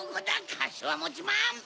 かしわもちまん！